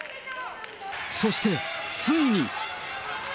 そしてついに。